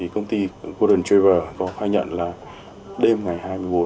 công ty golden travel có khai nhận là đêm ngày hai mươi một